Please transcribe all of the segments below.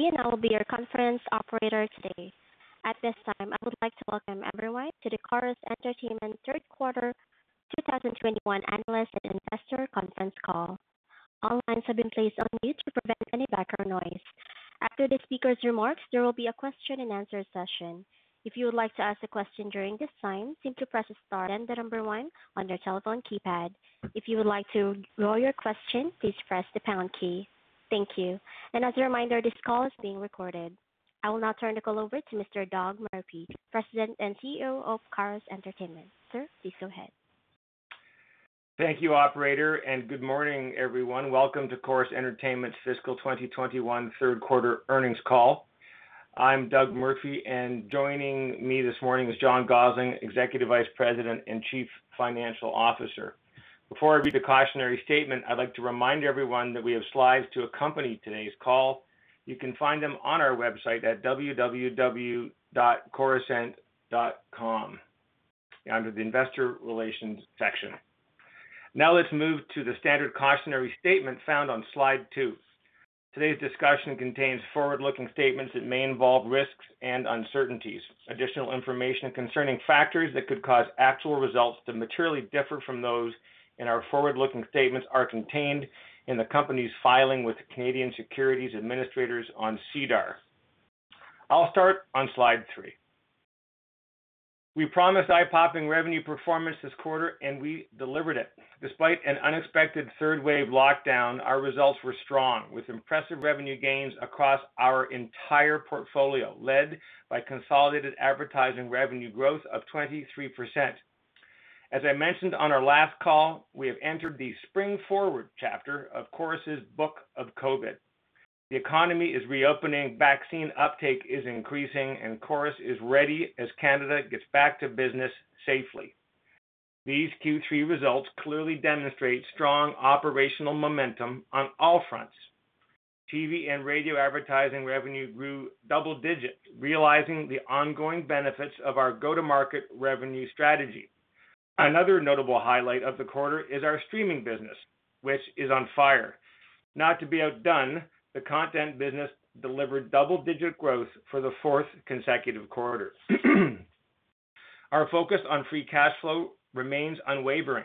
Dina will be your conference operator today. At this time, I would like to welcome everyone to the Corus Entertainment Q3 2021 annual investor conference call. All lines have been placed on mute to prevent any background noise. After the speakers' remarks, there will be a question-and-answer session. If you would like to ask a question during this time, simply press star then the number one on your telephone keypad. If you would like to withdraw your question, please press the pound key. Thank you. As a reminder, this call is being recorded. I will now turn the call over to Mr. Doug Murphy, President and CEO of Corus Entertainment. Sir, please go ahead. Thank you, operator, and good morning, everyone. Welcome to Corus Entertainment's fiscal 2021 Q3 earnings call. I'm Doug Murphy, and joining me this morning is John Gossling, Executive Vice President and Chief Financial Officer. Before I read the cautionary statement, I'd like to remind everyone that we have slides to accompany today's call. You can find them on our website at www.corusent.com under the investor relations section. Now let's move to the standard cautionary statement found on slide two. Today's discussion contains forward-looking statements that may involve risks and uncertainties. Additional information concerning factors that could cause actual results to materially differ from those in our forward-looking statements are contained in the company's filing with the Canadian securities administrators on SEDAR. I'll start on slide three. We promised eye-popping revenue performance this quarter, and we delivered it. Despite an unexpected third-wave lockdown, our results were strong, with impressive revenue gains across our entire portfolio, led by consolidated advertising revenue growth of 23%. As I mentioned on our last call, we have entered the spring-forward chapter of Corus' book of COVID. The economy is reopening, vaccine uptake is increasing, and Corus is ready as Canada gets back to business safely. These Q3 results clearly demonstrate strong operational momentum on all fronts. TV and radio advertising revenue grew double digits, realizing the ongoing benefits of our go-to-market revenue strategy. Another notable highlight of the quarter is our streaming business, which is on fire. Not to be outdone, the content business delivered double-digit growth for the fourth consecutive quarter. Our focus on free cash flow remains unwavering.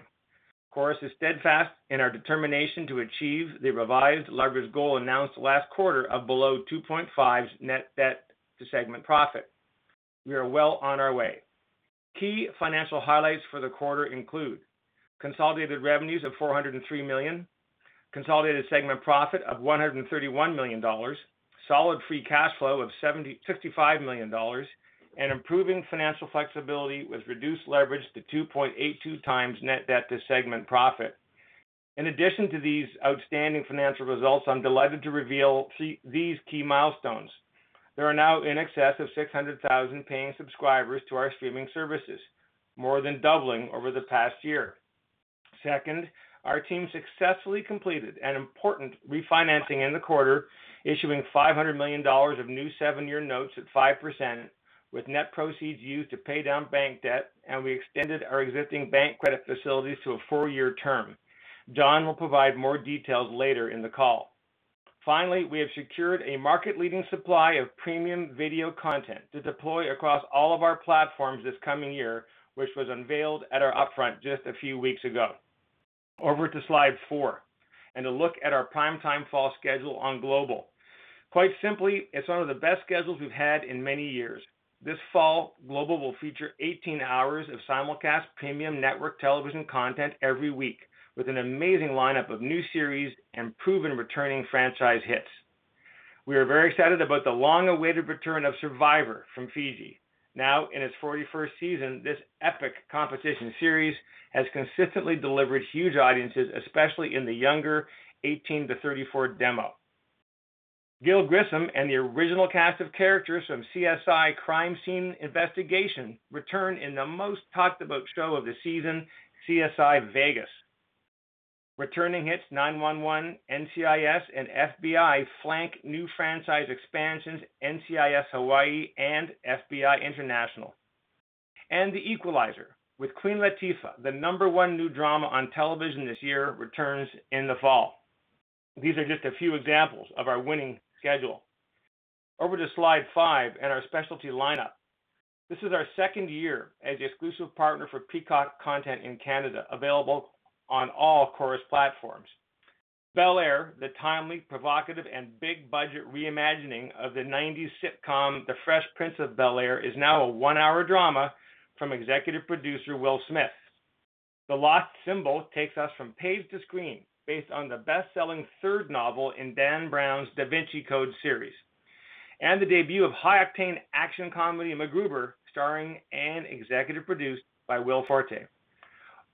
Corus is steadfast in our determination to achieve the revised leverage goal announced last quarter of below 2.5 net debt to segment profit. We are well on our way. Key financial highlights for the quarter include consolidated revenues of 403 million, consolidated segment profit of 131 million dollars, solid free cash flow of 65 million dollars, and improving financial flexibility with reduced leverage to 2.82 times net debt to segment profit. In addition to these outstanding financial results, I'm delighted to reveal these key milestones. There are now in excess of 600,000 paying subscribers to our streaming services, more than doubling over the past year. Second, our team successfully completed an important refinancing in the quarter, issuing 500 million dollars of new seven-year notes at 5%, with net proceeds used to pay down bank debt, and we extended our existing bank credit facilities to a four-year term. John will provide more details later in the call. Finally, we have secured a market-leading supply of premium video content to deploy across all of our platforms this coming year, which was unveiled at our upfront just a few weeks ago. Over to slide four, and a look at our primetime fall schedule on Global. Quite simply, it's one of the best schedules we've had in many years. This fall, Global will feature 18 hours of simulcast premium network television content every week, with an amazing lineup of new series and proven returning franchise hits. We are very excited about the long-awaited return of Survivor from Fiji. Now in its 41st season, this epic competition series has consistently delivered huge audiences, especially in the younger 18-34 demos. Gil Grissom and the original cast of characters from "CSI: Crime Scene Investigation" return in the most talked about show of the season, "CSI: Vegas." Returning hits "9-1-1," "NCIS," and "FBI" flank new franchise expansions, "NCIS: Hawaiʻi" and "FBI: International." "The Equalizer," with Queen Latifah, the number one new drama on television this year, returns in the fall. These are just a few examples of our winning schedule. Over to slide five and our specialty lineup. This is our second year as the exclusive partner for Peacock content in Canada, available on all Corus platforms. "Bel-Air," the timely, provocative, and big-budget reimagining of the '90s sitcom, "The Fresh Prince of Bel-Air," is now a one-hour drama from executive producer Will Smith. "The Lost Symbol" takes us from page to screen, based on the bestselling third novel in Dan Brown's "Da Vinci Code" series. The debut of high-octane action comedy "MacGruber," starring and executive produced by Will Forte.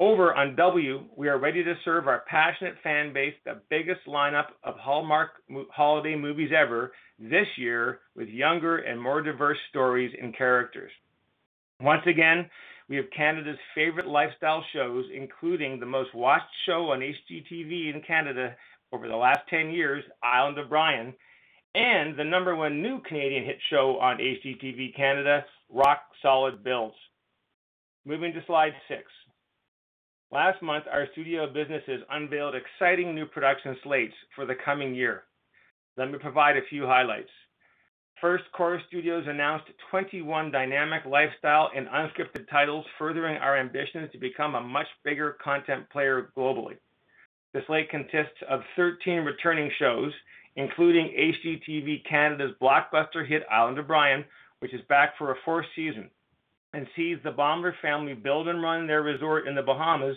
Over on W, we are ready to serve our passionate fan base the biggest lineup of Hallmark holiday movies ever this year with younger and more diverse stories and characters. Once again, we have Canada's favorite lifestyle shows, including the most-watched show on HGTV in Canada over the last 10 years, "Island of Bryan," and the number one new Canadian hit show on HGTV Canada, "Rock Solid Builds." Moving to slide six. Last month, our studio businesses unveiled exciting new production slates for the coming year. Let me provide a few highlights. First, Corus Studios announced 21 dynamic lifestyle and unscripted titles furthering our ambitions to become a much bigger content player globally. The slate consists of 13 returning shows, including HGTV Canada's blockbuster hit, "Island of Bryan," which is back for a fourth season and sees the Baeumler family build and run their resort in the Bahamas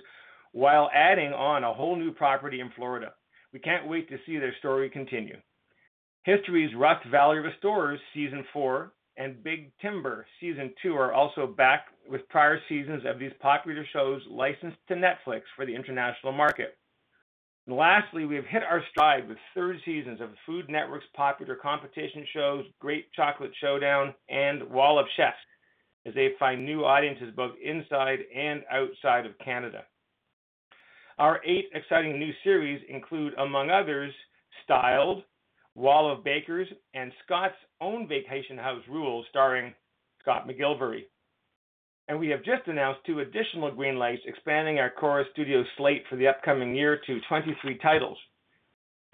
while adding on a whole new property in Florida. We can't wait to see their story continue. History's "Rust Valley Restorers" Season four and "Big Timber" Season two are also back with prior seasons of these popular shows licensed to Netflix for the international market. Lastly, we've hit our stride with three seasons of Food Network's popular competition shows, "Great Chocolate Showdown" and "Wall of Chefs," as they find new audiences both inside and outside of Canada. Our eight exciting new series include, among others, "Styled," "Wall of Bakers," and "Scott's Vacation House Rules," starring Scott McGillivray. We have just announced two additional green lights expanding our Corus Studios slate for the upcoming year to 23 titles.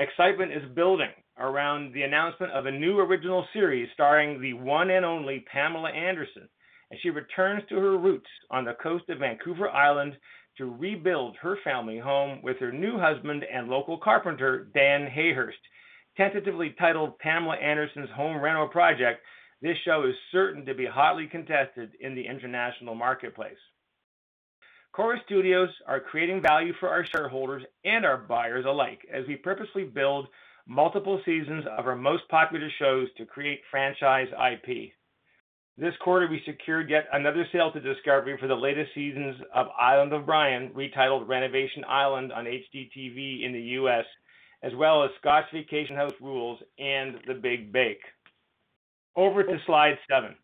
Excitement is building around the announcement of a new original series starring the one and only Pamela Anderson, as she returns to her roots on the coast of Vancouver Island to rebuild her family home with her new husband and local carpenter, Dan Hayhurst. Tentatively titled "Pamela Anderson's Home Reno Project," this show is certain to be hotly contested in the international marketplace. Corus Studios are creating value for our shareholders and our buyers alike, as we purposely build multiple seasons of our most popular shows to create franchise IP. This quarter, we secured yet another sale to Discovery for the latest seasons of "Island of Bryan," retitled "Renovation Island" on HGTV in the U.S., as well as "Scott's Vacation House Rules" and "The Big Bake." Over to slide seven.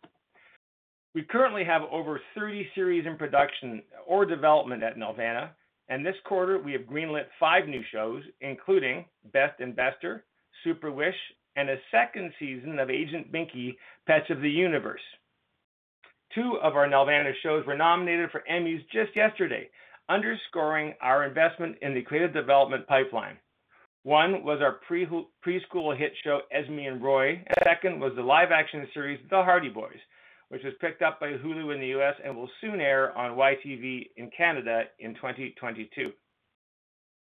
We currently have over 30 series in production or development at Nelvana, and this quarter, we have greenlit five new shows, including "Best & Bester," "Super Wish," and a second season of "Agent Binky: Pets of the Universe." Two of our Nelvana shows were nominated for Emmys just yesterday, underscoring our investment in the creative development pipeline. One was our preschool hit show, "Esme & Roy," and the second was the live-action series, "The Hardy Boys," which was picked up by Hulu in the U.S. and will soon air on YTV in Canada in 2022.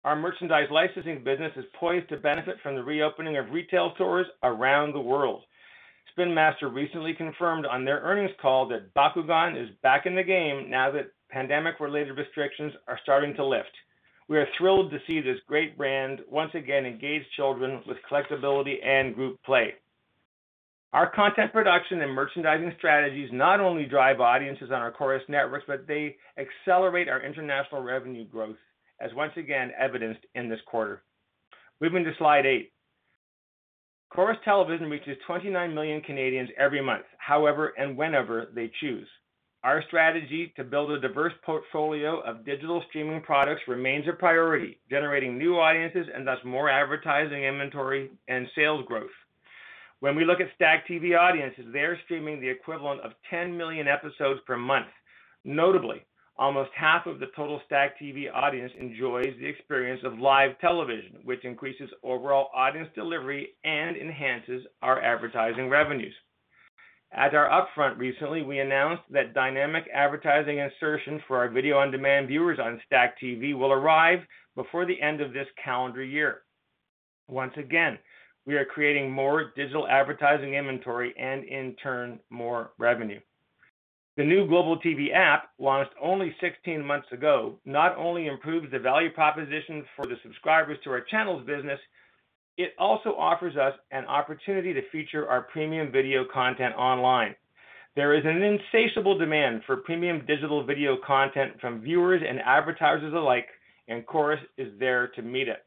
Our merchandise licensing business is poised to benefit from the reopening of retail stores around the world. Spin Master recently confirmed on their earnings call that Bakugan is back in the game now that pandemic-related restrictions are starting to lift. We are thrilled to see this great brand once again engage children with collectability and group play. Our content production and merchandising strategies not only drive audiences on our Corus networks, but they accelerate our international revenue growth, as once again evidenced in this quarter. Moving to slide eight. Corus Television reaches 29 million Canadians every month, however and whenever they choose. Our strategy to build a diverse portfolio of digital streaming products remains a priority, generating new audiences and thus more advertising inventory and sales growth. When we look at STACKTV audiences, they are streaming the equivalent of 10 million episodes per month. Notably, almost half of the total STACKTV audience enjoys the experience of live television, which increases overall audience delivery and enhances our advertising revenues. At our upfront recently, we announced that dynamic advertising insertions for our video-on-demand viewers on STACKTV will arrive before the end of this calendar year. Once again, we are creating more digital advertising inventory and, in turn, more revenue. The new Global TV App, launched only 16 months ago, not only improves the value propositions for the subscribers to our channels business, it also offers us an opportunity to feature our premium video content online. There is an insatiable demand for premium digital video content from viewers and advertisers alike, and Corus is there to meet it.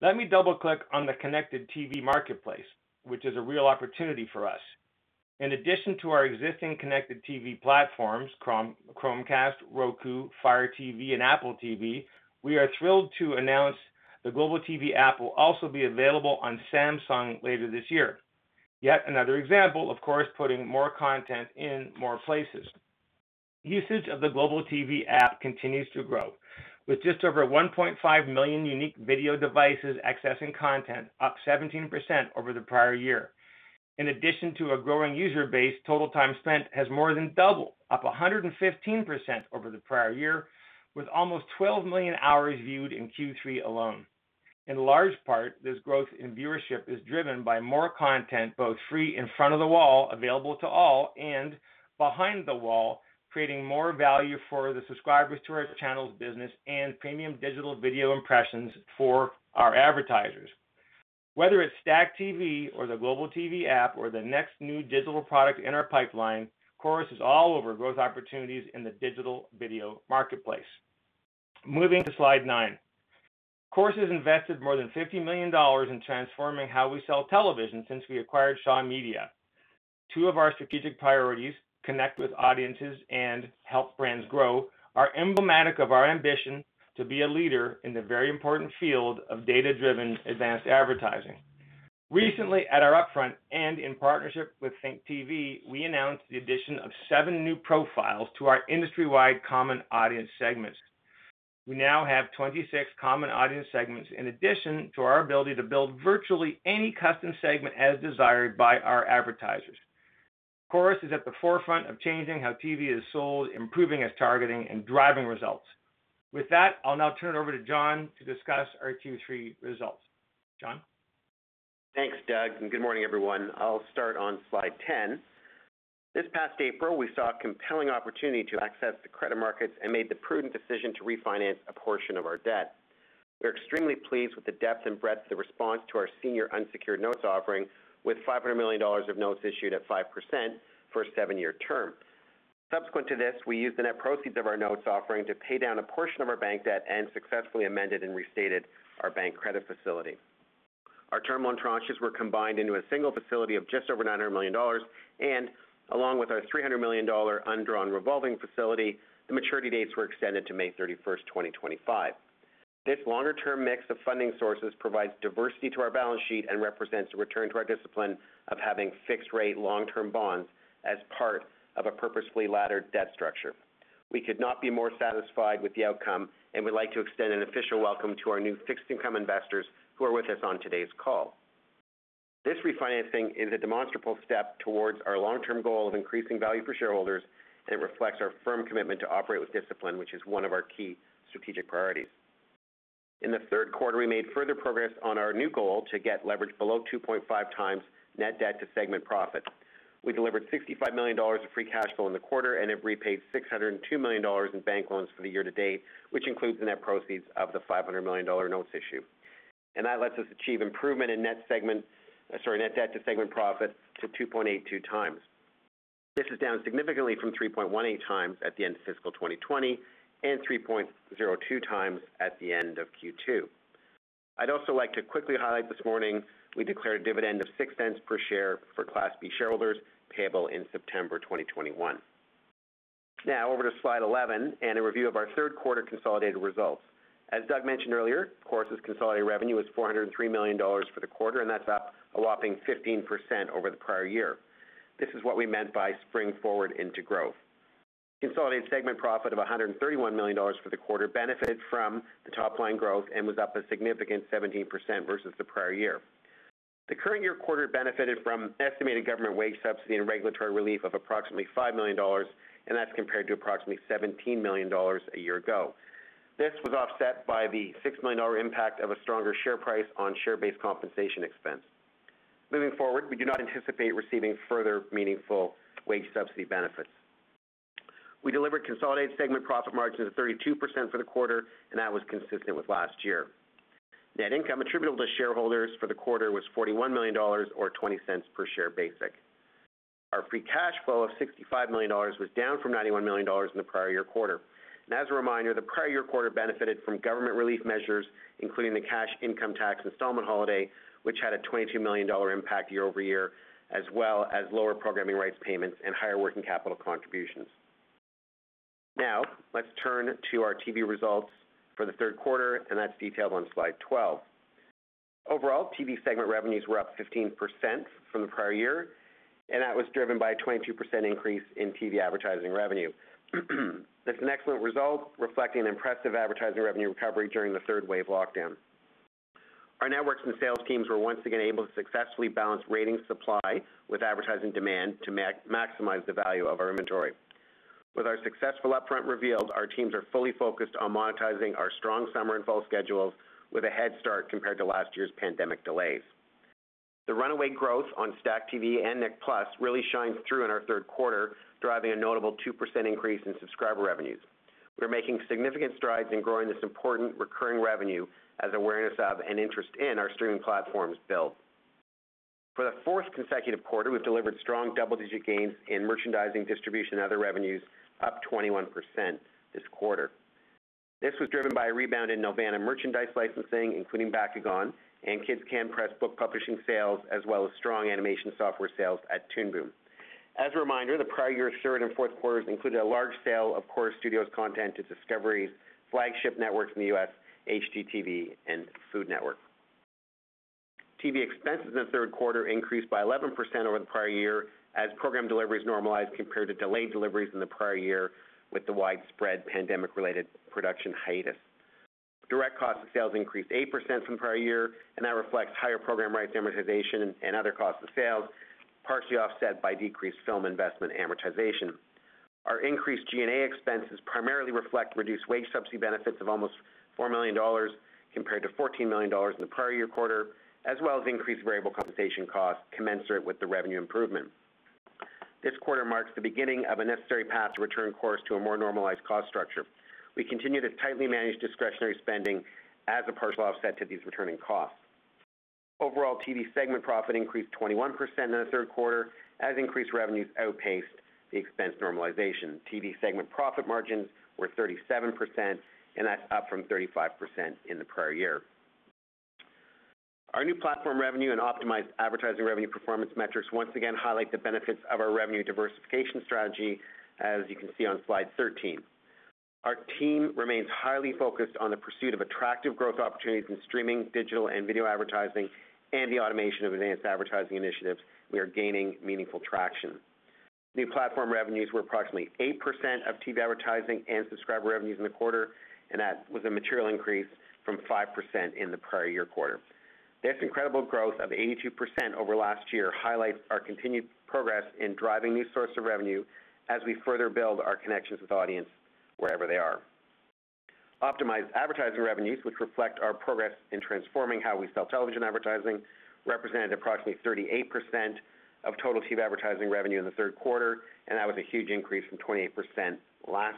Let me double-click on the connected TV marketplace, which is a real opportunity for us. In addition to our existing connected TV platforms, Chromecast, Roku, Fire TV, and Apple TV, we are thrilled to announce the Global TV App will also be available on Samsung later this year. Yet another example of Corus putting more content in more places. Usage of the Global TV App continues to grow. With just over 1.5 million unique video devices accessing content, up 17% over the prior year. In addition to a growing user base, total time spent has more than doubled, up 115% over the prior year, with almost 12 million hours viewed in Q3 alone. In large part, this growth in viewership is driven by more content, both free, in front of the wall, available to all, and behind the wall, creating more value for the subscribers to our channels business and premium digital video impressions for our advertisers. Whether it's STACKTV or the Global TV App or the next new digital product in our pipeline, Corus is all over growth opportunities in the digital video marketplace. Moving to slide nine. Corus has invested more than 50 million dollars in transforming how we sell television since we acquired Shaw Media. Two of our strategic priorities, connect with audiences and help brands grow, are emblematic of our ambition to be a leader in the very important field of data-driven advanced advertising. Recently at our upfront and in partnership with ThinkTV, we announced the addition of seven new profiles to our industry-wide common audience segments. We now have 26 common audience segments in addition to our ability to build virtually any custom segment as desired by our advertisers. Corus is at the forefront of changing how TV is sold, improving its targeting, and driving results. With that, I'll now turn it over to John to discuss our Q3 results. John? Thanks, Doug. Good morning, everyone. I'll start on slide 10. This past April, we saw a compelling opportunity to access the credit markets and made the prudent decision to refinance a portion of our debt. We are extremely pleased with the depth and breadth of the response to our senior unsecured notes offering, with 500 million dollars of notes issued at 5% for a seven-year term. Subsequent to this, we used the net proceeds of our notes offering to pay down a portion of our bank debt and successfully amended and restated our bank credit facility. Our term loan tranches were combined into a single facility of just over 900 million dollars, and along with our 300 million dollar undrawn revolving facility, the maturity dates were extended to May 31st, 2025. This longer-term mix of funding sources provides diversity to our balance sheet and represents a return to our discipline of having fixed-rate long-term bonds as part of a purposefully laddered debt structure. We could not be more satisfied with the outcome, and we'd like to extend an official welcome to our new fixed income investors who are with us on today's call. This refinancing is a demonstrable step towards our long-term goal of increasing value for shareholders and reflects our firm commitment to operate with discipline, which is one of our key strategic priorities. In the Q3, we made further progress on our new goal to get leverage below 2.5 times net debt to segment profit. We delivered 65 million dollars of free cash flow in the quarter and have repaid 602 million dollars in bank loans for the year to date, which includes the net proceeds of the 500 million dollar notes issue. That lets us achieve improvement in net debt to segment profit to 2.82 times. This was down significantly from 3.18 times at the end of fiscal 2020 and 3.02 times at the end of Q2. I'd also like to quickly highlight this morning we declared a dividend of 0.06 per share for Class B shareholders, payable in September 2021. Now over to slide 11 and a review of our third quarter consolidated results. As Doug mentioned earlier, Corus' consolidated revenue was 403 million dollars for the quarter, that's up a whopping 15% over the prior year. This is what we meant by spring forward into growth. Consolidated segment profit of 131 million dollars for the quarter benefited from the top-line growth and was up a significant 17% versus the prior year. The current year quarter benefited from estimated government wage subsidy and regulatory relief of approximately 5 million dollars, and that's compared to approximately 17 million dollars a year ago. This was offset by the 6 million dollar impact of a stronger share price on share-based compensation expense. Moving forward, we do not anticipate receiving further meaningful wage subsidy benefits. We delivered consolidated segment profit margins of 32% for the quarter, and that was consistent with last year. Net income attributable to shareholders for the quarter was 41 million dollars or 0.20 per share basic. Our free cash flow of 65 million dollars was down from 91 million dollars in the prior year quarter. As a reminder, the prior-year quarter benefited from government relief measures, including the cash income tax installment holiday, which had a 22 million dollar impact year-over-year, as well as lower programming rights payments and higher working capital contributions. Let's turn to our TV results for the Q3, and that's detailed on slide 12. Overall, TV segment revenues were up 15% from the prior year, and that was driven by a 22% increase in TV advertising revenue. This is an excellent result reflecting impressive advertising revenue recovery during the third wave lockdown. Our networks and sales teams were once again able to successfully balance ratings supply with advertising demand to maximize the value of our inventory. With our successful upfront reveals, our teams are fully focused on monetizing our strong summer and fall schedules with a head start compared to last year's pandemic delays. The runaway growth on STACKTV and Nick+ really shines through in our Q3, driving a notable 2% increase in subscriber revenues. We're making significant strides in growing this important recurring revenue as awareness of and interest in our streaming platforms build. For the fourth consecutive quarter, we delivered strong double-digit gains in merchandising, distribution, and other revenues, up 21% this quarter. This was driven by a rebound in Nelvana Merchandise licensing, including Bakugan and Kids Can Press book publishing sales, as well as strong animation software sales at Toon Boom. As a reminder, the prior year's Q3 and Q4 included a large sale of Corus Studios content to Discovery's flagship networks in the U.S., HGTV and Food Network. TV expenses in the third quarter increased by 11% over the prior year as program deliveries normalized compared to delayed deliveries in the prior year with the widespread pandemic-related production hiatus. Direct cost of sales increased 8% from the prior year, and that reflects higher program rights amortization and other costs of sales, partially offset by decreased film investment amortization. Our increased G&A expenses primarily reflect reduced wage subsidy benefits of almost 4 million dollars compared to 14 million dollars in the prior year quarter, as well as increased variable compensation costs commensurate with the revenue improvement. This quarter marks the beginning of a necessary path to return Corus to a more normalized cost structure. We continue to tightly manage discretionary spending as a partial offset to these returning costs. Overall, TV segment profit increased 21% in the Q3 as increased revenues outpaced the expense normalization. TV segment profit margins were 37%, and that is up from 35% in the prior year. Our new platform revenue and optimized advertising revenue performance metrics once again highlight the benefits of our revenue diversification strategy, as you can see on slide 13. Our team remains highly focused on the pursuit of attractive growth opportunities in streaming, digital, and video advertising, and the automation of advanced advertising initiatives. We are gaining meaningful traction. New platform revenues were approximately 8% of TV advertising and subscriber revenues in the quarter, and that was a material increase from 5% in the prior year quarter. This incredible growth of 82% over last year highlights our continued progress in driving new sources of revenue as we further build our connections with audience wherever they are. Optimized advertising revenues, which reflect our progress in transforming how we sell television advertising, represented approximately 38% of total TV advertising revenue in the third quarter, that was a huge increase from 28% last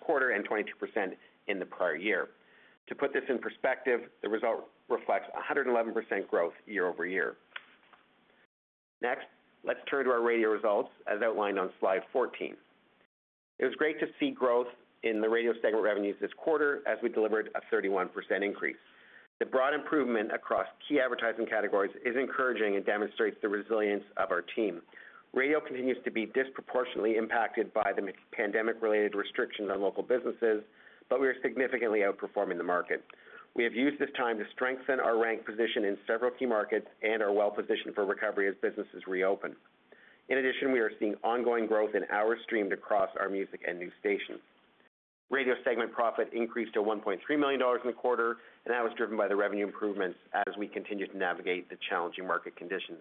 quarter and 22% in the prior year. To put this in perspective, the result reflects 111% growth year-over-year. Next, let's turn to our radio results as outlined on slide 14. It was great to see growth in the radio segment revenues this quarter as we delivered a 31% increase. The broad improvement across key advertising categories is encouraging and demonstrates the resilience of our team. Radio continues to be disproportionately impacted by the pandemic-related restriction on local businesses, we are significantly outperforming the market. We have used the time to strengthen our rank position in several key markets and are well-positioned for recovery as businesses reopen. We are seeing ongoing growth in hours streamed across our music and news stations. Radio segment profit increased to 1.3 million dollars in the quarter, that was driven by the revenue improvements as we continue to navigate the challenging market conditions.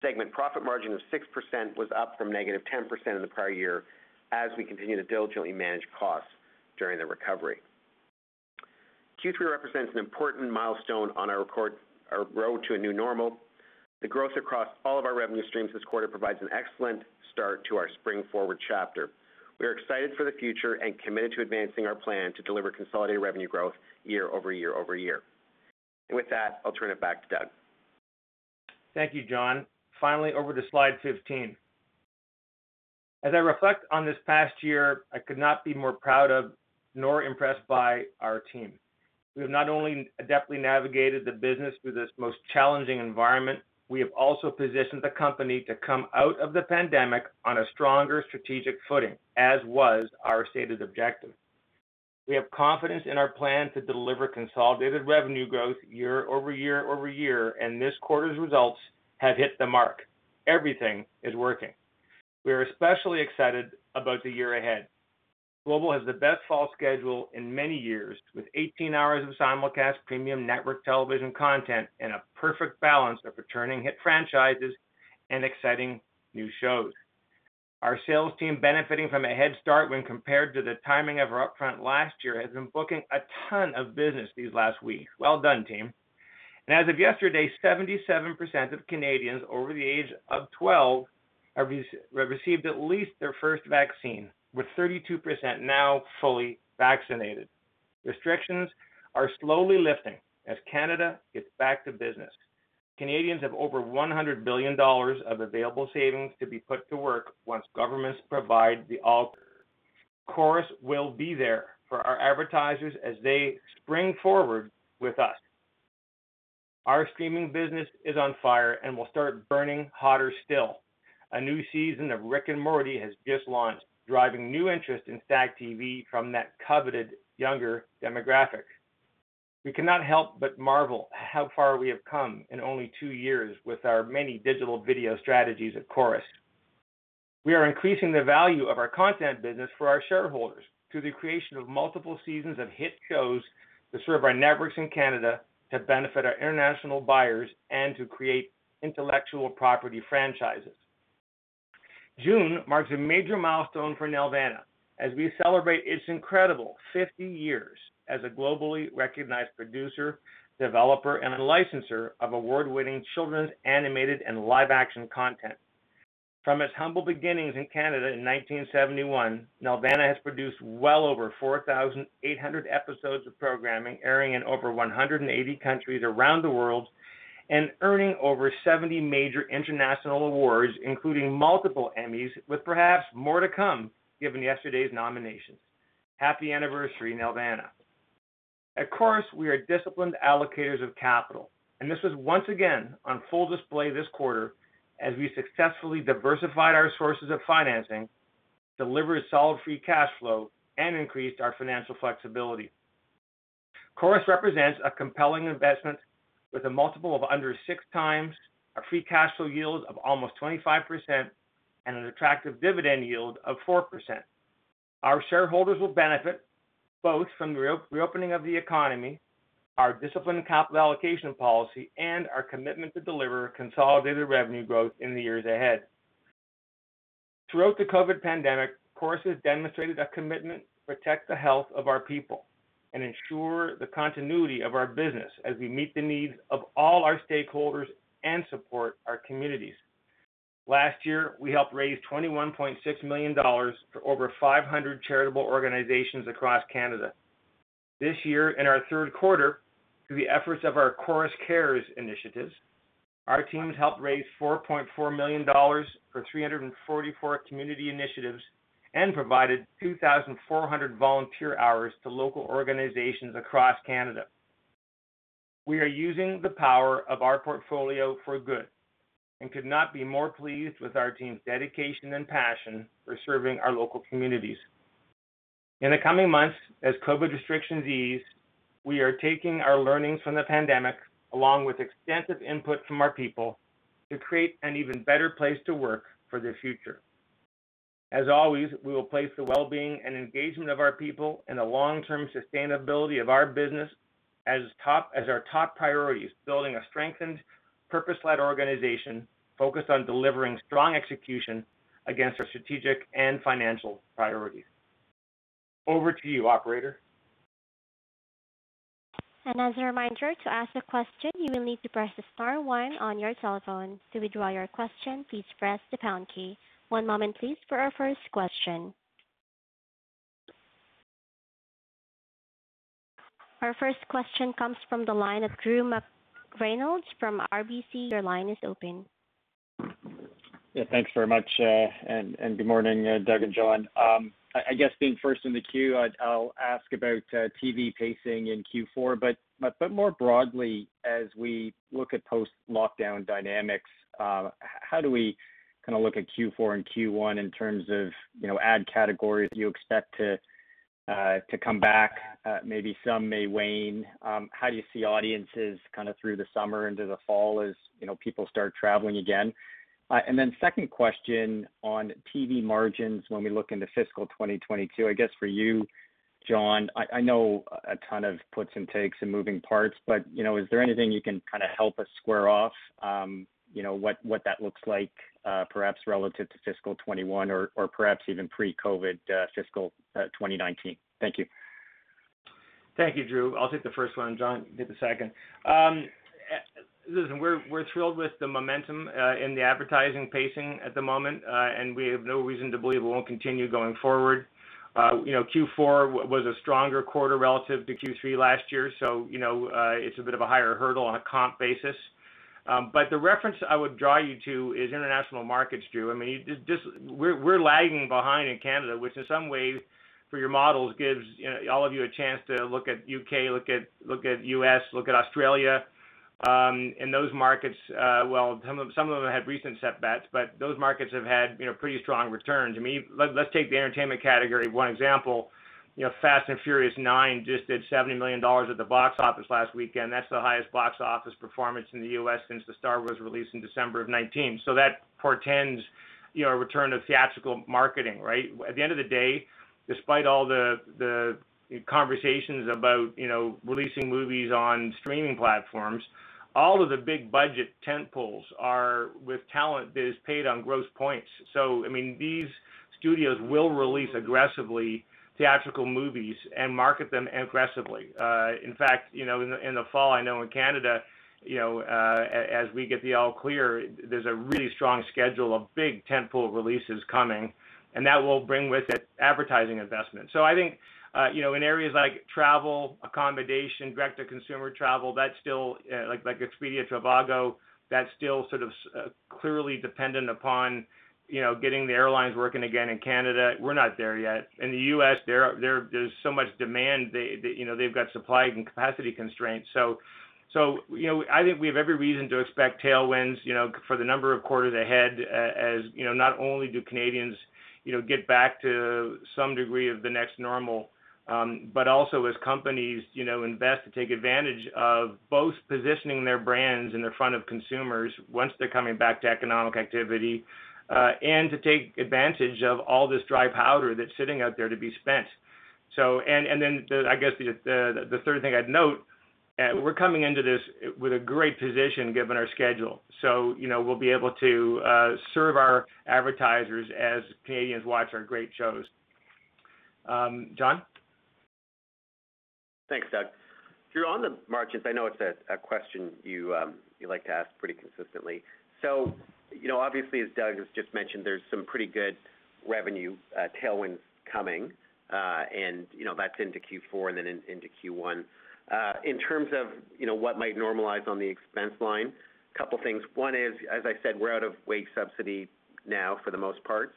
Segment profit margin of 6% was up from negative 10% in the prior year as we continue to diligently manage costs during the recovery. Q3 represents an important milestone on our road to a new normal. The growth across all of our revenue streams this quarter provides an excellent start to our Spring Forward chapter. We are excited for the future and committed to advancing our plan to deliver consolidated revenue growth year-over-year over year. With that, I'll turn it back to Doug. Thank you, John. Finally, over to slide 15. As I reflect on this past year, I could not be prouder of nor impressed by our team. We have not only adeptly navigated the business through this most challenging environment, but we have also positioned the company to come out of the pandemic on a stronger strategic footing, as was our stated objective. We have confidence in our plan to deliver consolidated revenue growth year-over-year-over-year, and this quarter's results have hit the mark. Everything is working. We are especially excited about the year ahead. Global has the best fall schedule in many years, with 18 hours of simulcast premium network television content and a perfect balance of returning hit franchises and exciting new shows. Our sales team benefiting from a head start when compared to the timing of our upfront last year, has been booking a ton of business these last weeks. Well done, team. As of yesterday, 77% of Canadians over the age of 12 have received at least their first vaccine, with 32% now fully vaccinated. Restrictions are slowly lifting as Canada gets back to business. Canadians have over 100 billion dollars of available savings to be put to work once governments provide all clear. Corus will be there for our advertisers as they spring forward with us. Our streaming business is on fire and will start burning hotter still. A new season of "Rick and Morty" has just launched, driving new interest in STACKTV from that coveted younger demographic. We cannot help but marvel at how far we have come in only two years with our many digital video strategies at Corus. We are increasing the value of our content business for our shareholders through the creation of multiple seasons of hit shows to serve our networks in Canada, to benefit our international buyers, and to create intellectual property franchises. June marks a major milestone for Nelvana as we celebrate its incredible 50 years as a globally recognized producer, developer, and licenser of award-winning children's animated and live action content. From its humble beginnings in Canada in 1971, Nelvana has produced well over 4,800 episodes of programming, airing in over 180 countries around the world and earning over 70 major international awards, including multiple Emmys, with perhaps more to come given yesterday's nominations. Happy anniversary, Nelvana. At Corus, we are disciplined allocators of capital, and this is once again on full display this quarter as we successfully diversified our sources of financing, delivered solid free cash flow, and increased our financial flexibility. Corus represents a compelling investment with a multiple of under six times, a free cash flow yield of almost 25%, and an attractive dividend yield of 4%. Our shareholders will benefit both from the reopening of the economy, our disciplined capital allocation policy, and our commitment to deliver consolidated revenue growth in the years ahead. Throughout the COVID pandemic, Corus has demonstrated a commitment to protect the health of our people and ensure the continuity of our business as we meet the needs of all our stakeholders and support our communities. Last year, we helped raise 21.6 million dollars for over 500 charitable organizations across Canada. This year, in our Q3, through the efforts of our Corus Cares initiatives, our teams helped raise 4.4 million dollars for 344 community initiatives and provided 2,400 volunteer hours to local organizations across Canada. We are using the power of our portfolio for good and could not be more pleased with our team's dedication and passion for serving our local communities. In the coming months, as COVID restrictions ease, we are taking our learnings from the pandemic, along with extensive input from our people, to create an even better place to work for the future. As always, we will place the wellbeing and engagement of our people and the long-term sustainability of our business as our top priorities, building a strengthened, purpose-led organization focused on delivering strong execution against our strategic and financial priorities. Over to you, operator. As a reminder in order to ask a question, you will need to press star one on your telephone. To withdraw your question, please press the pound key. One moment, please, for our first question. Our first question comes from the line of Drew McReynolds from RBC. Your line is open. Yeah, thanks very much, and good morning, Doug and John. I guess being first in the queue, I'll ask about TV pacing in Q4. More broadly, as we look at post-lockdown dynamics, how do we look at Q4 and Q1 in terms of ad categories that you expect to come back? Maybe some may wane. How do you see audiences through the summer into the fall as people start traveling again? Second question on TV margins when we look into fiscal 2022, I guess for you, John, I know a ton of puts and takes and moving parts, is there anything you can help us square off what that looks like perhaps relative to fiscal 2021 or perhaps even pre-COVID fiscal 2019? Thank you. Thank you, Drew. I'll take the first one, John, you can take the second. Listen, we're thrilled with the momentum in the advertising pacing at the moment, and we have no reason to believe it won't continue going forward. Q4 was a stronger quarter relative to Q3 last year, so it's a bit of a higher hurdle on a comp basis. The reference I would draw you to is international markets, Drew. We're lagging behind in Canada, which in some ways for your models gives all of you a chance to look at U.K., look at U.S., look at Australia, and those markets, well, some of them had recent setbacks, but those markets have had pretty strong returns. Let's take the entertainment category. One example, "Fast & Furious 9" just did 70 million dollars at the box office last weekend. That's the highest box office performance in the U.S. since the Star Wars release in December of 2019. That portends a return of theatrical marketing, right? At the end of the day, despite all the conversations about releasing movies on streaming platforms, all of the big budget tentpoles are with talent that is paid on gross points. These studios will release aggressively theatrical movies and market them aggressively. In fact, in the fall, I know in Canada, as we get all clear, there's a really strong schedule of big tentpole releases coming, and that will bring with it advertising investment. I think, in areas like travel, accommodation, direct to consumer travel, like Expedia, trivago, that's still sort of clearly dependent upon getting the airlines working again in Canada. We're not there yet. In the U.S., there's so much demand. They've got supply and capacity constraints. I think we have every reason to expect tailwinds for the number of quarters ahead as not only do Canadians get back to some degree of the next normal, but also as companies invest to take advantage of both positioning their brands in the front of consumers once they're coming back to economic activity and to take advantage of all this dry powder that's sitting out there to be spent. I guess the third thing I'd note, we're coming into this with a great position given our schedule. We'll be able to serve our advertisers as Canadians watch our great shows. John? Thanks, Doug. Drew, on the margins, I know it's a question you like to ask pretty consistently. Obviously, as Doug has just mentioned, there's some pretty good revenue tailwinds coming, and that's into Q4 and then into Q1. In terms of what might normalize on the expense line, couple things. One is, as I said, we're out of wage subsidy now for the most part,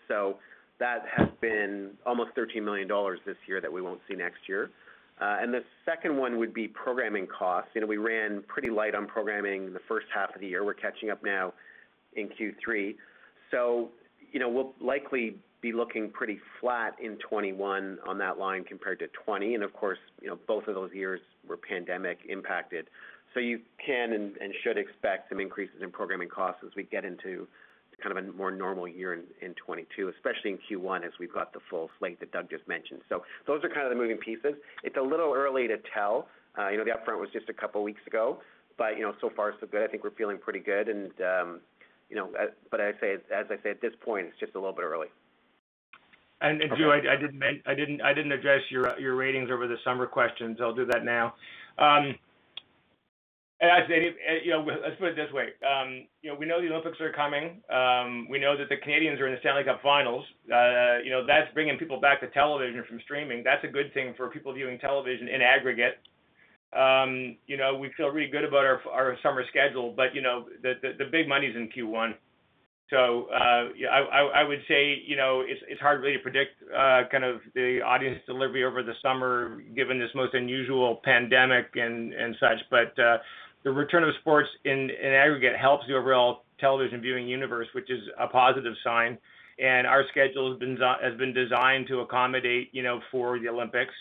that has been almost 13 million dollars this year that we won't see next year. The second one would be programming costs. We ran pretty light on programming in the H1 of the year. We're catching up now in Q3. We'll likely be looking pretty flat in 2021 on that line compared to 2020. Of course, both of those years were pandemic impacted. You can and should expect some increases in programming costs as we get into kind of a more normal year in 2022, especially in Q1 as we've got the full slate that Doug just mentioned. Those are kind of the moving pieces. It's a little early to tell. The upfront was just a couple of weeks ago, but so far so good. I think we're feeling pretty good. As I say, at this point, it's just a little bit early. Drew, I didn't address your ratings over the summer questions. I'll do that now. Let's put it this way. We know the Olympics are coming. We know that the Canadians are in the Stanley Cup finals. That's bringing people back to television from streaming. That's a good thing for people viewing television in aggregate. We feel really good about our summer schedule. The big money's in Q1. I would say that it's hard for me to predict the audience delivery over the summer, given this most unusual pandemic and such. The return of sports in aggregate helps the overall television viewing universe, which is a positive sign. Our schedule has been designed to accommodate for the Olympics.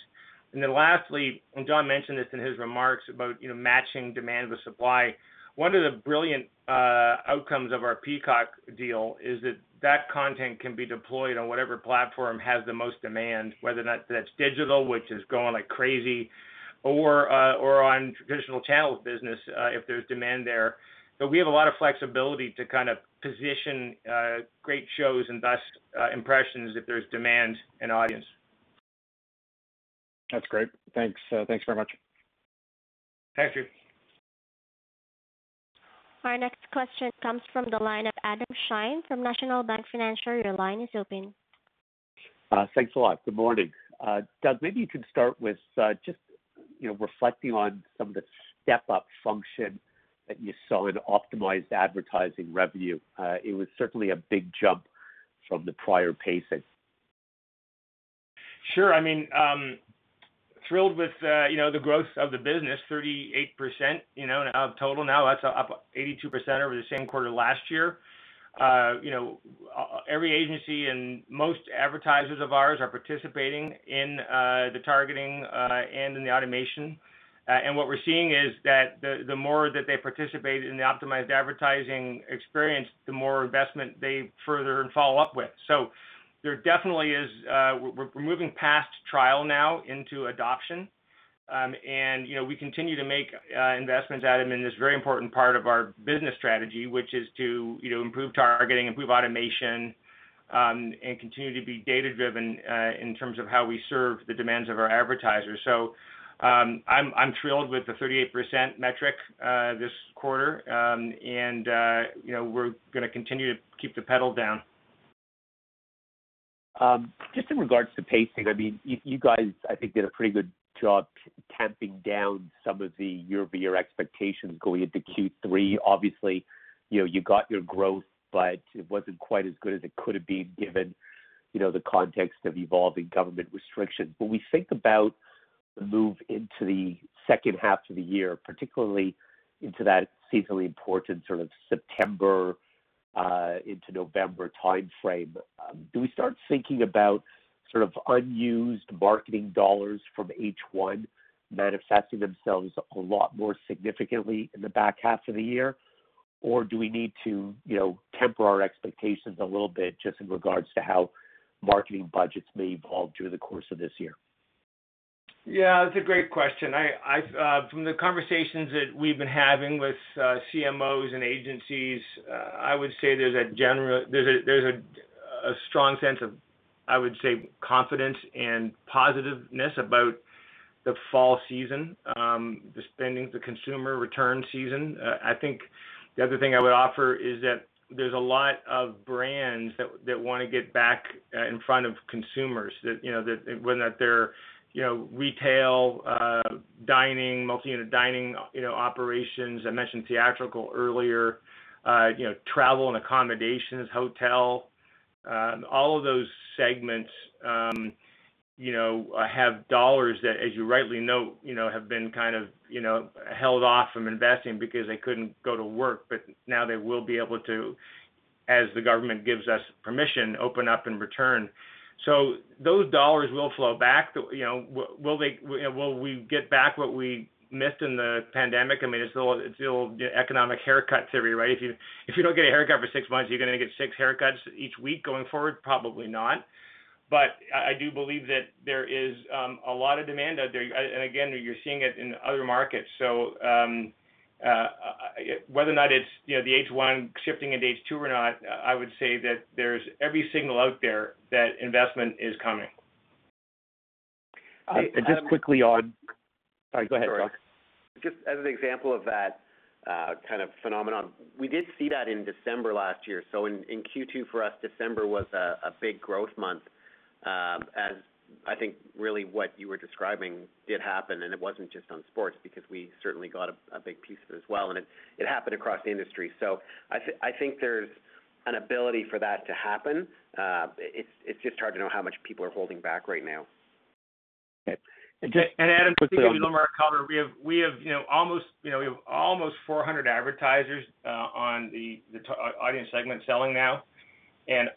Lastly, John mentioned this in his remarks about matching demand with supply. One of the brilliant outcomes of our Peacock deal is that content can be deployed on whatever platform has the most demand, whether that's digital, which is growing like crazy, or on traditional channel business, if there's demand there. We have a lot of flexibility to position great shows and thus impressions if there's demand and audience. That's great. Thanks very much. Thank you. Our next question comes from the line of Adam Shine from National Bank Financial. Your line is open. Thanks a lot. Good morning. Doug, maybe you can start with just reflecting on some of the step-up function that you saw in optimized advertising revenue. It was certainly a big jump from the prior pacing. Sure. Thrilled with the growth of the business, 38% total now. That's up 82% over the same quarter last year. Every agency and most advertisers of ours are participating in the targeting and in the automation. What we're seeing is that the more that they participate in the optimized advertising experience, the more investment they further follow up with. There definitely is, we're moving past trial now into adoption. We continue to make investments, Adam, in this very important part of our business strategy, which is to improve targeting, improve automation, and continue to be data-driven in terms of how we serve the demands of our advertisers. I'm thrilled with the 38% metric this quarter. We're going to continue to keep the pedal down. Just in regard to pacing, you guys, I think, did a pretty good job tamping down some of the year-over-year expectations going into Q3. Obviously, you got your growth, but it wasn't quite as good as it could've been given the context of evolving government restrictions. When we think about the move into the H2 of the year, particularly into that seasonally important sort of September into November timeframe, do we start thinking about unused marketing dollars from H1 manifesting themselves a lot more significantly in the back half of the year? Or do we need to temper our expectations a little bit just in regard to how marketing budgets may evolve through the course of this year? Yeah, that's a great question. From the conversations that we've been having with CMOs and agencies, I would say there's a strong sense of, I would say, confidence and positiveness about the fall season, the spending, the consumer return season. I think the other thing I would offer is that there's a lot of brands that want to get back in front of consumers, whether they're retail, dining, multi-unit dining operations. I mentioned theatrical earlier. Travel and accommodations, hotel. All of those segments have dollars that, as you rightly note, have been held off from investing because they couldn't go to work. Now they will be able to, as the government gives us permission, open up and return. Those dollars will flow back. Will we get back what we missed in the pandemic? It's the old economic haircut theory. If you don't get a haircut for six months, are you going to get six haircuts each week going forward? Probably not. I do believe that there is a lot of demand out there. Again, you're seeing it in other markets. Whether or not it's the H1 shifting into H2 or not, I would say that there's every signal out there that investment is coming. Just quickly. Sorry, go ahead, Doug. Just as an example of that kind of phenomenon. We did see that in December last year. In Q2 for us, December was a big growth month. I think really what you were describing did happen, and it wasn't just on sports because we certainly got a big piece of it as well, and it happened across the industry. I think there's an ability for that to happen. It's just hard to know how much people are holding back right now. Adam, quickly on the marketing- Okay. We have almost 400 advertisers on the audience segment selling now, and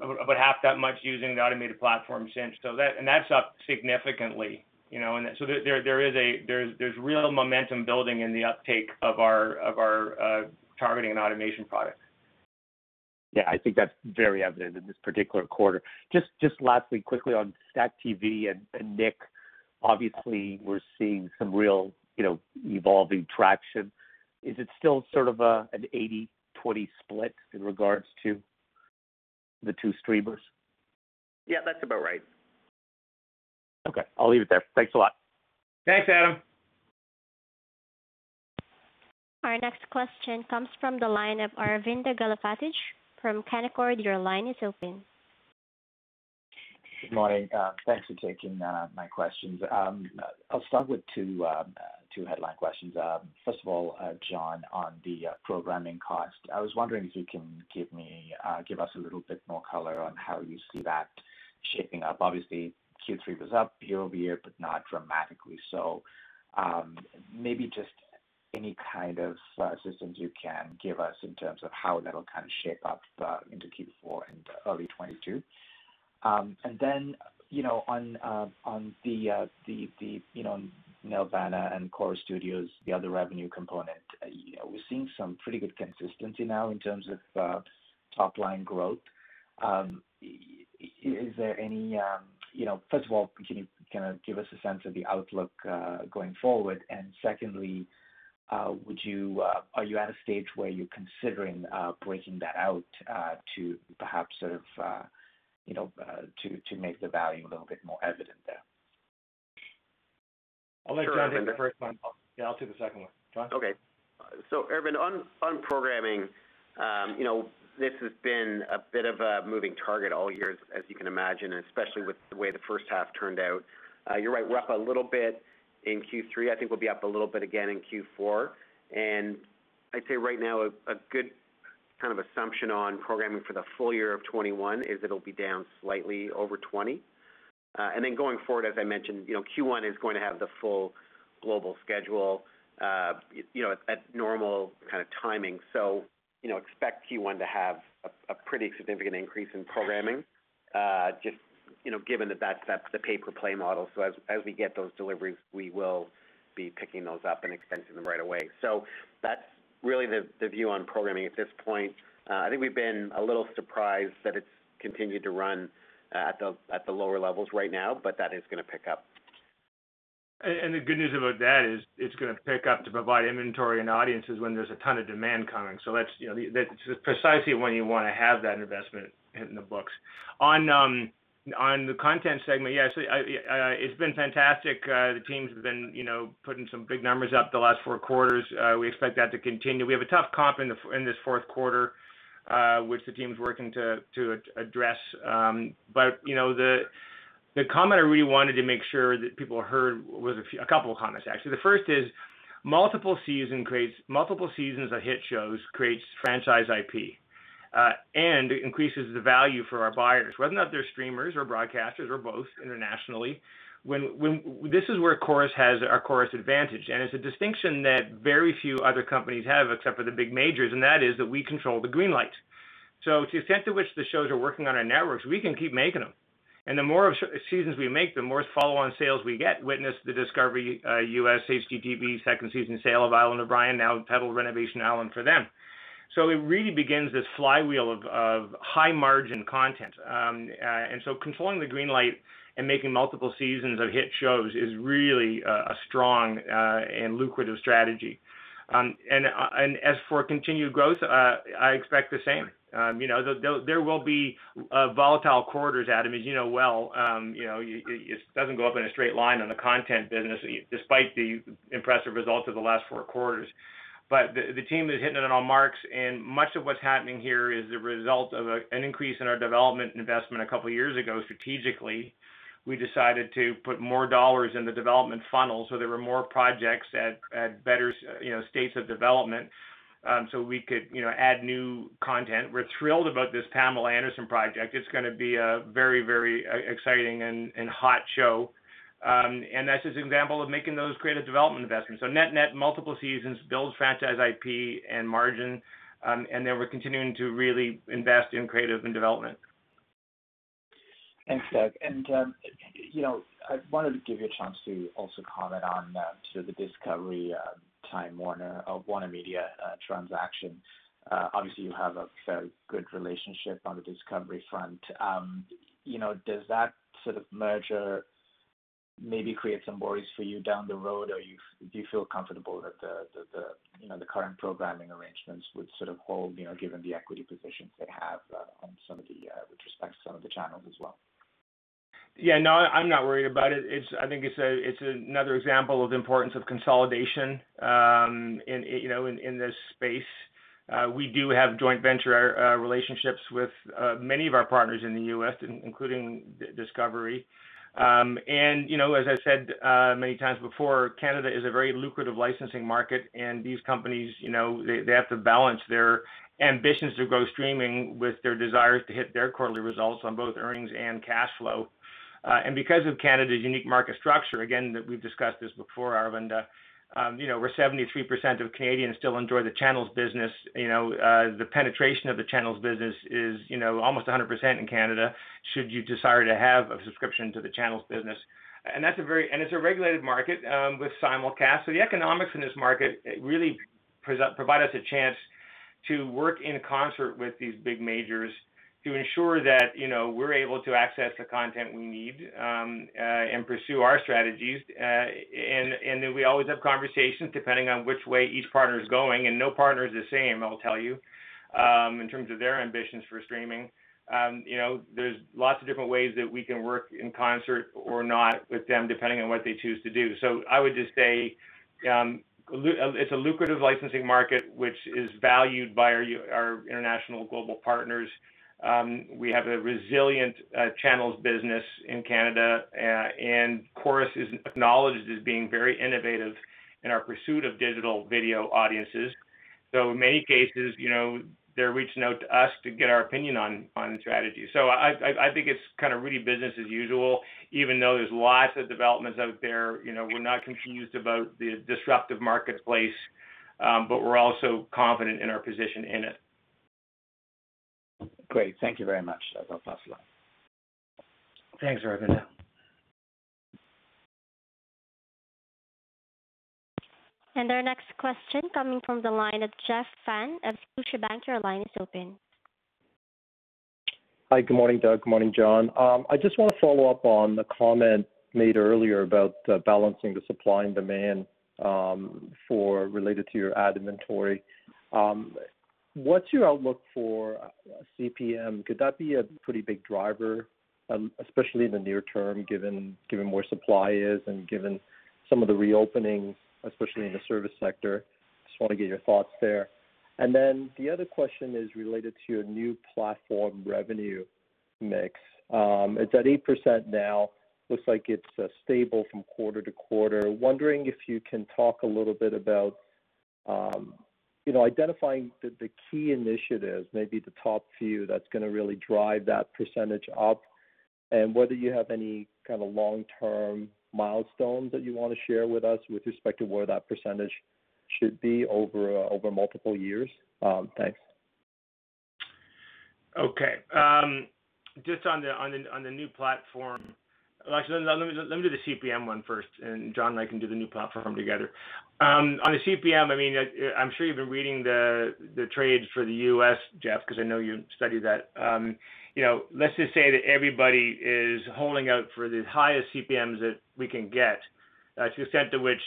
about half that much using the automated platform, Cynch. That's up significantly. There's real momentum building in the uptake of our targeting and automation products. I think that's very evident in this particular quarter. Just lastly, quickly on STACKTV and Nick. Obviously, we're seeing some real evolving traction. Is it still sort of an 80/20 split in regards to the two streamers? Yeah, that's about right. Okay, I'll leave it there. Thanks a lot. Thanks, Adam. Our next question comes from the line of Aravinda Galappatthige from Canaccord. Your line is open. Good morning. Thanks for taking my questions. I will start with two headline questions. First of all, John, on the programming cost, I was wondering if you can give us a little bit more color on how you see that shaping up. Obviously, Q3 was up year-over-year, not dramatically. Maybe just any kind of assistance you can give us in terms of how that will shape up into Q4 and early 2022. On the Nelvana and Corus Studios, the other revenue component, we are seeing some pretty good consistency now in terms of top-line growth. First of all, can you give us a sense of the outlook going forward? Secondly, are you at a stage where you are considering breaking that out to perhaps make the value a little bit more evident there? I'll let John hit the first one. Yeah, I'll take the second one. John? Okay. Aravinda, on programming, this has been a bit of a moving target all year, as you can imagine, especially with the way the first half turned out. You're right, we're up a little bit in Q3. I think we'll be up a little bit again in Q4. I'd say right now, a good assumption on programming for the full year of 2021 is it'll be down slightly over 2020. Going forward, as I mentioned, Q1 is going to have the full Global schedule at normal timing. Expect Q1 to have a pretty significant increase in programming, just given that that's the pay-per-play model. As we get those deliveries, we will be picking those up and expensing them right away. That's really the view on programming at this point. I think we've been a little surprised that it's continued to run at the lower levels right now, but that is going to pick up. The good news about that is it's going to pick up to provide inventory and audiences when there's a ton of demand coming. That's precisely when you want to have that investment hit in the books. On the content segment, yes, it's been fantastic. The teams have been putting some big numbers up the last four quarters. We expect that to continue. We have a tough comp in this Q4, which the team's working to address. The comment I really wanted to make sure that people heard was a couple of comments, actually. The first is multiple seasons of hit shows creates franchise IP, and it increases the value for our buyers, whether they're streamers or broadcasters or both internationally. This is where Corus has a Corus advantage. It's a distinction that very few other companies have except for the big majors. That is that we control the green light. To the extent to which the shows are working on our networks, we can keep making them. The more seasons we make, the more follow-on sales we get. Witness the Discovery U.S. HGTV second season sale of "Island of Bryan," now titled "Renovation Island" for them. It really begins this flywheel of high-margin content. Controlling the green light and making multiple seasons of hit shows is really a strong and lucrative strategy. As for continued growth, I expect the same. There will be volatile quarters, Aravinda, as you know well. It doesn't go up in a straight line in the content business, despite the impressive results of the last four quarters. The team is hitting it on all marks, and much of what's happening here is a result of an increase in our development investment two years ago strategically. We decided to put more CAD dollars in the development funnel so there were more projects at better states of development, so we could add new content. We're thrilled about this Pamela Anderson project. It's going to be a very exciting and hot show. That's just an example of making those creative development investments. Net multiple seasons builds franchise IP and margin, and then we're continuing to really invest in creative and development. Thanks, Doug. I wanted to give you a chance to also comment on the Discovery-WarnerMedia transaction. Obviously, you have a very good relationship on the Discovery front. Does that sort of merger maybe create some worries for you down the road, or do you feel comfortable that the current programming arrangements would hold, given the equity positions they have with respect to some of the channels as well? No, I'm not worried about it. I think it's another example of the importance of consolidation in this space. We do have joint venture relationships with many of our partners in the U.S., including Discovery. As I said many times before, Canada is a very lucrative licensing market, and these companies, they have to balance their ambitions to grow streaming with their desire to hit their quarterly results on both earnings and cash flow. Because of Canada's unique market structure, again, we've discussed this before, Aravinda Galappatthige, where 73% of Canadians still enjoy the channels business, the penetration of the channels business is almost 100% in Canada, should you desire to have a subscription to the channels business. It's a regulated market with simulcast. The economics in this market really provide us a chance to work in concert with these big majors to ensure that we're able to access the content we need and pursue our strategies. We always have conversations depending on which way each partner is going, and no partner is the same, I'll tell you, in terms of their ambitions for streaming. There's lots of different ways that we can work in concert or not with them, depending on what they choose to do. I would just say it's a lucrative licensing market which is valued by our international global partners. We have a resilient channels business in Canada, and Corus is acknowledged as being very innovative in our pursuit of digital video audiences. In many cases, they're reaching out to us to get our opinion on strategy. I think it's kind of really business as usual, even though there's lots of developments out there. We're not confused about the disruptive marketplace, but we're also confident in our position in it. Great. Thank you very much. That's all for us. Thanks, Aravinda. Our next question coming from the line of Jeff Fan of Scotiabank. Your line is open. Hi, good morning, Doug. Good morning, John. I just want to follow up on the comment made earlier about balancing the supply and demand related to your ad inventory. What's your outlook for CPM? Could that be a pretty big driver, especially in the near term, given where supply is and given some of the reopening, especially in the service sector? Just want to get your thoughts there. The other question is related to your new platform revenue mix. It's at 8% now, looks like it's stable from quarter-to-quarter. Wondering if you can talk a little bit about identifying the key initiatives, maybe the top few that's going to really drive that percentage up, and whether you have any kind of long-term milestones that you want to share with us with respect to where that percentage should be over multiple years. Thanks. Okay. Just on the new platform. Actually, let me do the CPM one first, and John and I can do the new platform together. On the CPM, I'm sure you've been reading the trades for the U.S., Jeff, because I know you study that. Let's just say that everybody is holding out for the highest CPMs that we can get. To the extent to which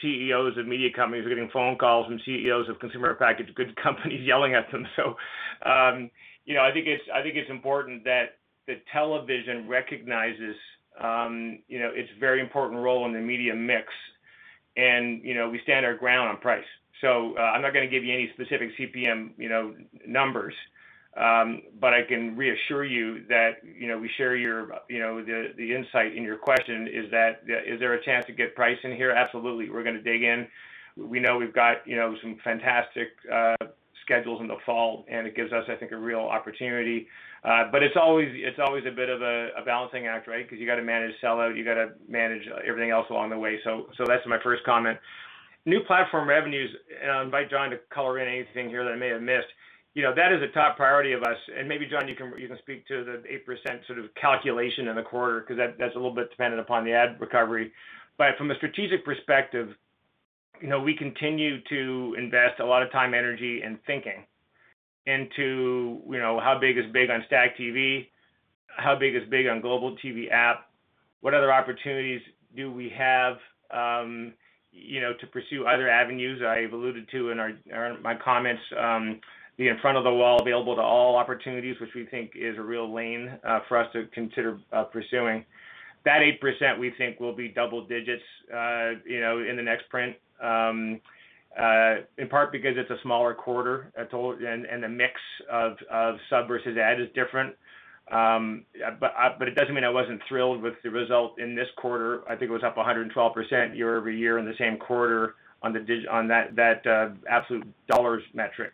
CEOs of media companies are getting phone calls from CEOs of consumer packaged goods companies yelling at them. I think it's important that television recognizes its very important role in the media mix, and we stand our ground on price. I'm not going to give you any specific CPM numbers. I can reassure you that we share the insight in your question, is that is there a chance to get pricing here? Absolutely. We're going to dig in. We know we've got some fantastic schedules in the fall, and it gives us, I think, a real opportunity. It's always a bit of a balancing act, right? You've got to manage sellout, you've got to manage everything else along the way. That's my first comment. New platform revenues, I'll invite John to color in anything here that I may have missed. That is a top priority of us, and maybe John you can speak to the 8% sort of calculation in the quarter because that's a little bit dependent upon the ad recovery. From a strategic perspective, we continue to invest a lot of time, energy, and thinking into how big is big on STACKTV, how big is big on Global TV App, what other opportunities do we have to pursue other avenues that I've alluded to in my comments, the in front of the wall available to all opportunities, which we think is a real lane for us to consider pursuing. 8% we think will be double digits in the next print, in part because it's a smaller quarter and the mix of sub versus ad is different. It doesn't mean I wasn't thrilled with the result in this quarter. I think it was up 112% year-over-year in the same quarter on that absolute dollars metric.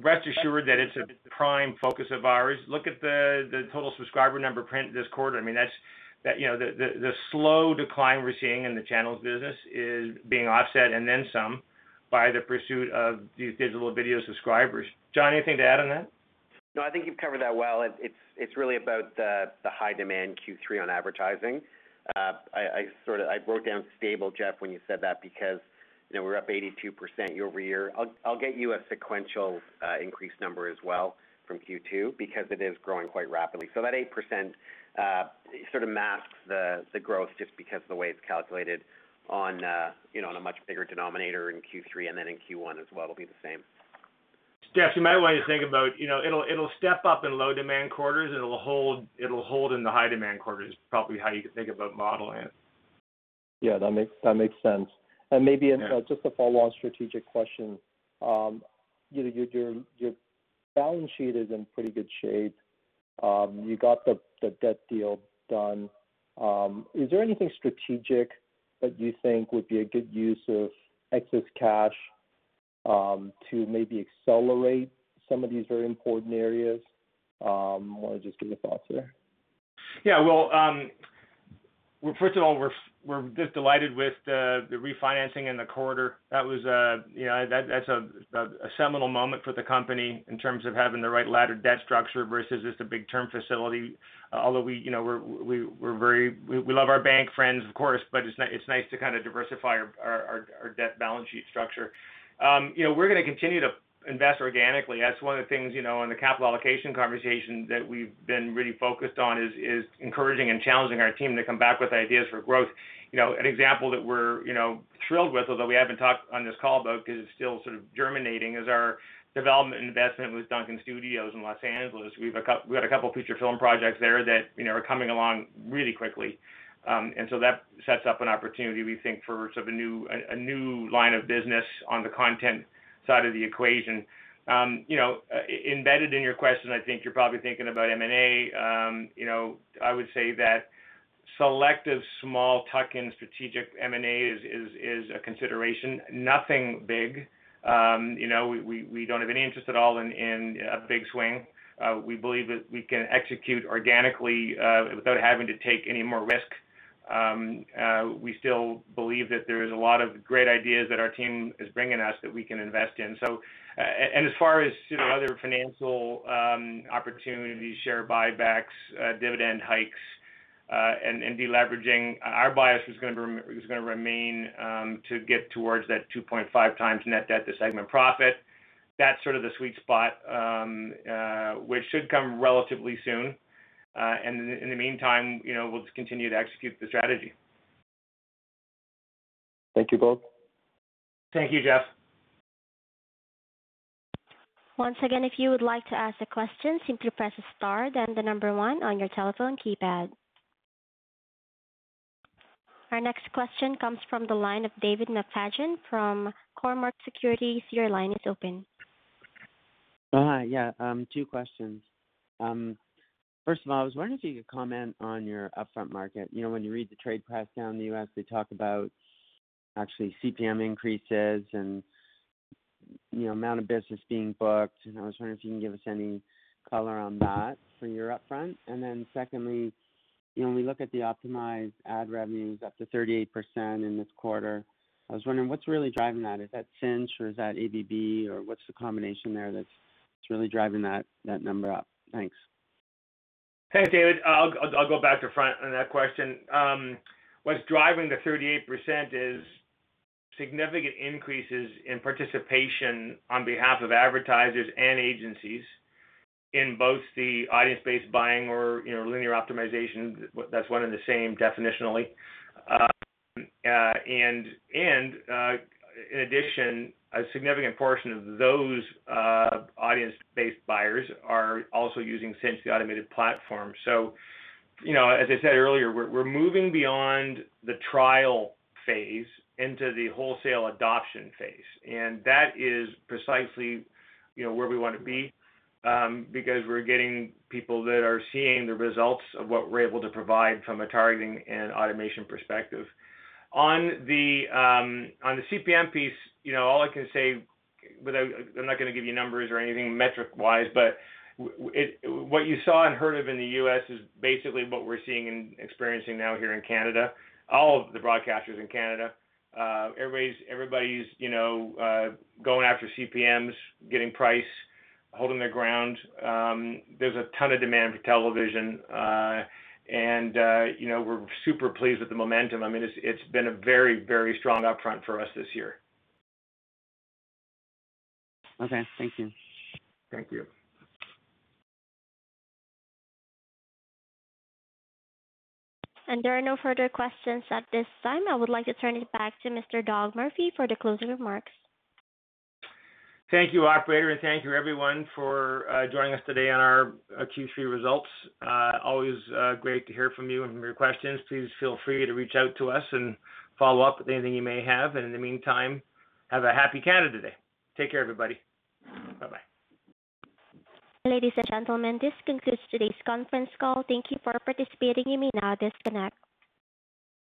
Rest assured that it's a prime focus of ours. Look at the total subscriber number print this quarter. The slow decline we're seeing in the channels business is being offset and then some by the pursuit of these digital video subscribers. John, anything to add on that? No, I think you've covered that well. It is really about the high demand Q3 on advertising. I wrote down stable, Jeff, when you said that because we are up 82% year-over-year. I will get you a sequential increased number as well from Q2 because it is growing quite rapidly. That 8% sort of masks the growth just because of the way it is calculated on a much bigger denominator in Q3 and then in Q1 as well will be the same. Jeff, you might want to think about it'll step up in low demand quarters, and it'll hold in the high demand quarters is probably how you can think about modeling it. Yeah, that makes sense. Maybe just a follow-on strategic question. Your balance sheet is in pretty good shape. You got the debt deal done. Is there anything strategic that you think would be a good use of excess cash to maybe accelerate some of these very important areas? I'm wondering just for your thoughts there. Well, first of all, we're just delighted with the refinancing in the quarter. That's a seminal moment for the company in terms of having the right laddered debt structure versus just a big term facility. We love our bank friends, of course, it's nice to kind of diversify our debt balance sheet structure. We're going to continue to invest organically. That's one of the things in the capital allocation conversation that we've been really focused on is encouraging and challenging our team to come back with ideas for growth. An example that we're thrilled with, we haven't talked on this call about because it's still sort of germinating, is our development investment with Duncan Studio in L.A. We've got a couple feature film projects there that are coming along really quickly. That sets up an opportunity, we think, for sort of a new line of business on the content side of the equation. Embedded in your question, I think you're probably thinking about M&A. I would say that selective small tuck-in strategic M&A is a consideration. Nothing big. We don't have any interest at all in a big swing. We believe that we can execute organically without having to take any more risk. We still believe that there's a lot of great ideas that our team is bringing us that we can invest in. As far as other financial opportunities, share buybacks, dividend hikes, and de-leveraging, our bias is going to remain to get towards that 2.5 times net debt to segment profit. That's sort of the sweet spot, which should come relatively soon. In the meantime, we'll just continue to execute the strategy. Thank you, Doug. Thank you, Jeff. Once again, if you would like to ask a question, simply press star then one on your telephone keypad. Our next question comes from the line of David McFadgen from Cormark Securities, your line is open. Hi. Yeah, 2 questions. First of all, I was wondering if you could comment on your upfront market. When you read the trade press down in the U.S., they talk about actually CPM increases and amount of business being booked. I was wondering if you can give us any color on that for your upfront. Secondly, when we look at the optimized ad revenues up to 38% in this quarter, I was wondering what's really driving that? Is that Cynch or is that ABB or what's the combination there that's really driving that number up? Thanks. Hey, David. I'll go back to front on that question. What's driving the 38% is significant increases in participation on behalf of advertisers and agencies in both the audience-based buying or linear optimization. That's one and the same definitionally. In addition, a significant portion of those audience-based buyers are also using Cynch, the automated platform. As I said earlier, we're moving beyond the trial phase into the wholesale adoption phase, and that is precisely where we want to be, because we're getting people that are seeing the results of what we're able to provide from a targeting and automation perspective. On the CPM piece, all I can say, I'm not going to give you numbers or anything metric wise, but what you saw and heard of in the U.S. is basically what we're seeing and experiencing now here in Canada, all of the broadcasters in Canada. Everybody's going after CPMs, getting price, holding their ground. There's a ton of demand for television. We're super pleased with the momentum. It's been a very, very strong upfront for us this year. Okay. Thank you. Thank you. There are no further questions at this time. I would like to turn it back to Mr. Doug Murphy for the closing remarks. Thank you, operator. Thank you everyone for joining us today on our Q3 results. Always great to hear from you and from your questions. Please feel free to reach out to us and follow up with anything you may have. In the meantime, have a happy Canada Day. Take care, everybody. Bye-bye. Ladies and gentlemen, this concludes today's conference call. Thank you for participating. You may now disconnect.